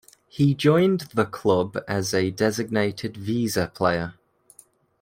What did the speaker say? He joined the club as a designated visa player.